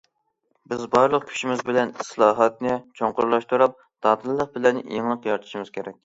بىز بارلىق كۈچىمىز بىلەن ئىسلاھاتنى چوڭقۇرلاشتۇرۇپ، دادىللىق بىلەن يېڭىلىق يارىتىشىمىز كېرەك.